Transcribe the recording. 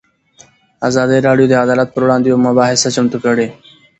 ازادي راډیو د عدالت پر وړاندې یوه مباحثه چمتو کړې.